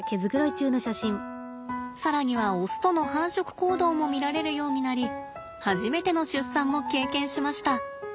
更にはオスとの繁殖行動も見られるようになり初めての出産も経験しました。